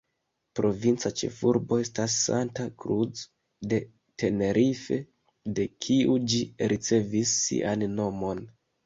Provinca ĉefurbo estas Santa Cruz de Tenerife, de kiu ĝi ricevis sian nomon.